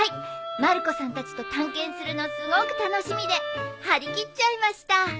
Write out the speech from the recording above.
まる子さんたちと探検するのすごく楽しみで張り切っちゃいました。